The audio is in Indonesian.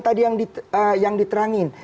tadi yang diterangin